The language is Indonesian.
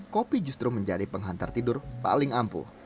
kopi justru menjadi penghantar tidur paling ampuh